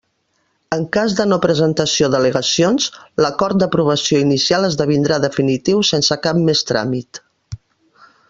En cas de no presentació d'al·legacions, l'acord d'aprovació inicial esdevindrà definitiu sense cap més tràmit.